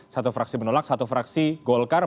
satu fraksi menolak satu fraksi golkar